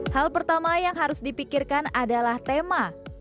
hal pertama yang harus dipikirkan adalah tema